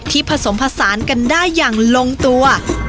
ผสมผสานกันได้อย่างลงตัว